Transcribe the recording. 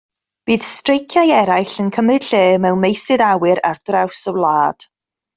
Bydd streiciau eraill yn cymryd lle mewn meysydd awyr ar draws y wlad.